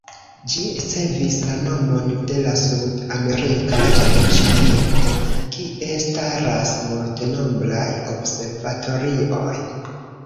Ĝi ricevis la nomon de la sud-amerika lando Ĉilio, kie staras multenombraj observatorioj.